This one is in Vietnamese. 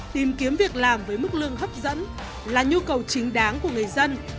tìm kiếm việc làm với mức lương hấp dẫn là nhu cầu chính đáng của người dân